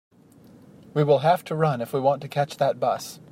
We will have to run if we want to catch that bus.